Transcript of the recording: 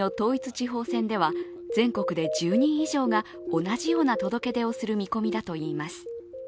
地方選では、全国で１０人以上が同じような届け出をする見込みだといいます。